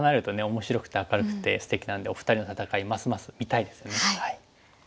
面白くて明るくてすてきなんでお二人の戦いますます見たいですね。